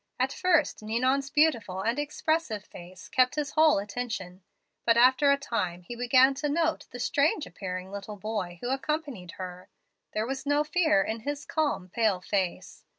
At first Ninon's beautiful and expressive face kept his whole attention; but after a time he began to note the strange appearing little boy who accompanied her. There was no fear in his calm, pale face.